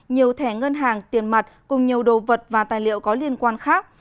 nhiều thẻ ngân hàng tiền mặt cùng nhiều đồ vật và tài liệu có liên quan khác